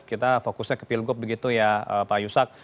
kita fokusnya ke pilgub begitu ya pak yusak